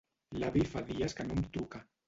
L'avi fa dies que no em truca.